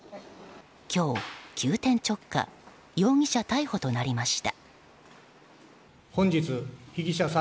今日、急転直下容疑者逮捕となりました。